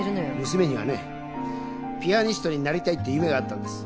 娘にはねピアニストになりたいって夢があったんです。